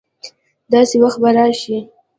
داسي وخت به راشي